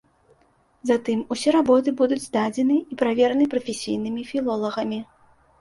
Затым усе работы будуць здадзены і правераны прафесійнымі філолагамі.